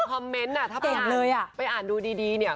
คอมเม้นต์น่ะถ้าพาไปอ่านดูดีเนี่ย